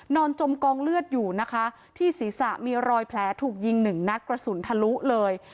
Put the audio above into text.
จมกองเลือดอยู่นะคะที่ศีรษะมีรอยแผลถูกยิงหนึ่งนัดกระสุนทะลุเลย